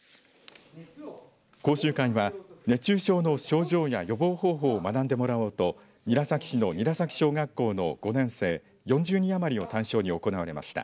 講習会は熱中症の症状や予防方法を学んでもらおうと韮崎市の韮崎小学校の５年生４０人余りを対象に行われました。